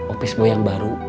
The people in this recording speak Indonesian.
opis boy yang baru